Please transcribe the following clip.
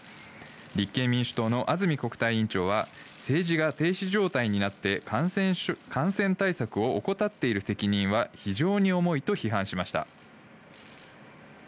立憲民主党の安住国対委員長は政治が停止状態になって感染対策を怠っている責任は非常に重いと批判しました。